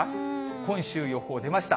今週、予報出ました。